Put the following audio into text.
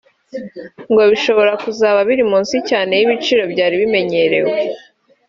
ngo bishobora kuzaba biri munsi cyane y’ibiciro byari bimenyerewe